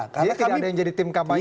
jadi tidak ada yang jadi tim kampanye